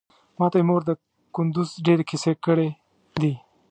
ماته مې مور د کندوز ډېرې کيسې کړې دي.